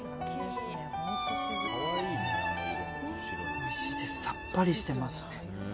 おいしいですさっぱりしています。